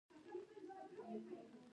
دا سیاسي بدلونونه د پراخو نوښتونو لامل شول.